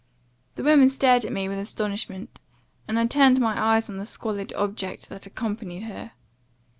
The woman stared at me with astonishment; and I turned my eyes on the squalid object [that accompanied her.